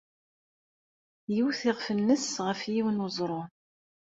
Iwet iɣef-nnes ɣer yiwen n weẓru.